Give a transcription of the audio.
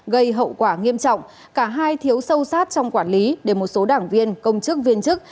gây hậu quả nghiêm trọng cả hai thiếu sâu sát trong quản lý để một số đảng viên công chức viên chức